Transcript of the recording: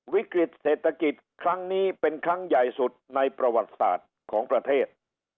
วิกฤตเศรษฐกิจครั้งนี้เป็นครั้งใหญ่สุดในประวัติศาสตร์ของประเทศ